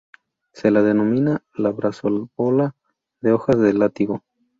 Se la denomina "La Brassavola de hojas de látigo".